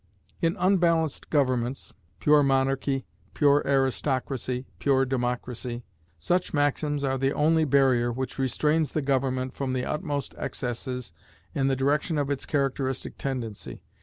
In unbalanced governments pure monarchy, pure aristocracy, pure democracy such maxims are the only barrier which restrains the government from the utmost excesses in the direction of its characteristic tendency.